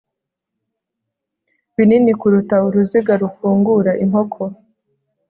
binini kuruta uruziga rufungura inkoko